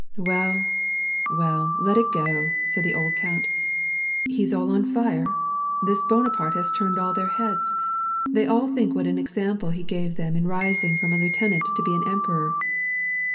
" Well, well, let it go," said the old count. " He's all on fire ? This Bonaparte has turned all their heads ; they all think what an example he gave them in rising from a lieuten ant to be an emperor.